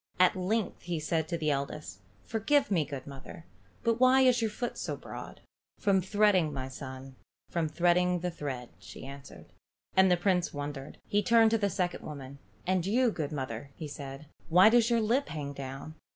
At length he said to the eldest, "Forgive me, good mother, but why is your foot so broad?" "From treading the thread, my son, from treading the thread," she answered. The Prince wondered; he turned to the second old woman. "And you, good mother," he said, "why does your lip hang down?"